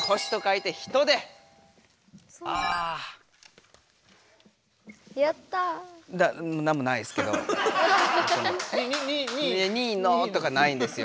いや２位のとかないんですよ。